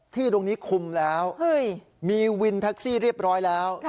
ที่ตรงนี้คุมแล้วมีวินแท็กซี่เรียบร้อยแล้ว